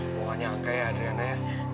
bukannya angka ya adriana